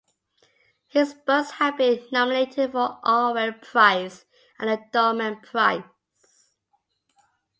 His books have been nominated for the Orwell Prize and the Dolman Prize.